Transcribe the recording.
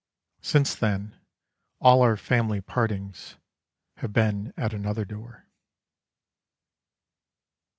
Since then all our family partings Have been at another door.